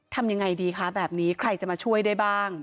ทำยังไงดีคะแบบนี้ใครจะมาช่วยได้บ้าง